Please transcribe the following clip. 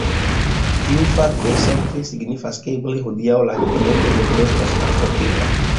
Tiu fakto sekve signifas ke eble hodiaŭ la dokumento ne plu estos akceptebla.